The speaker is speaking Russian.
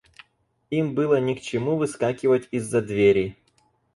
Им было не к чему выскакивать из-за двери.